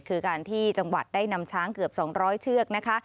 คือการที่จังหวัดได้นำช้างเกือบ๒๐๐เชือกนะคะ